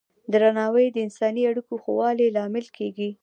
درناوی د انساني اړیکو ښه والي لامل کېږي.